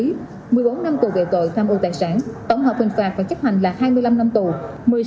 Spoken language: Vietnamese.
bị cáo tuyến một mươi bốn năm tù về tội tham mưu tài sản tổng hợp hình phạt và chấp hành là hai mươi năm năm tù